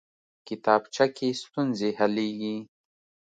کتابچه کې ستونزې حلېږي